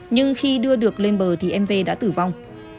nhưng khi đưa được lên bờ thì em v đã tử vong